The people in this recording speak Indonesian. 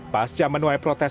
pasca menuai protokol